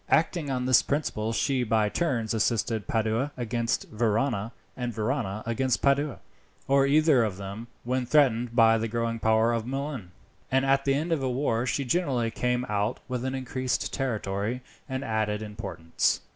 Acting on this principle she by turns assisted Padua against Verona, and Verona against Padua, or either of them when threatened by the growing power of Milan, and at the end of a war she generally came out with an increased territory, and added importance.